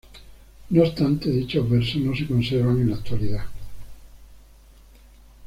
No obstante, dichos versos no se conservan en la actualidad.